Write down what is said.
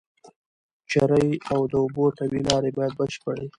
چرۍ او د اوبو طبيعي لاري بايد بشپړي